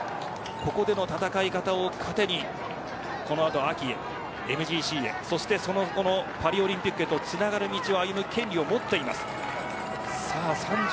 ここでの戦い方を糧に秋のＭＧＣそしてパリオリンピックへとつながる道を歩む権利を持っています。